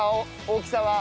大きさは。